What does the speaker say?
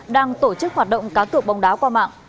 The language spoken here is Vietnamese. đang tổ chức hoạt động cá cược bóng đá qua mạng